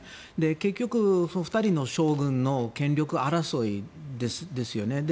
結局、２人の将軍の権力争いですよね。